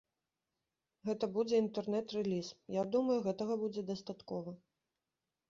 Гэта будзе інтэрнэт-рэліз, я думаю, гэтага будзе дастаткова.